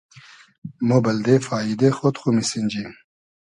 مۉ بئلدې فاییدې خۉد خو میسینجی